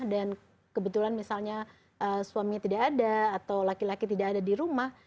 dan kebetulan misalnya suaminya tidak ada atau laki laki tidak ada di rumah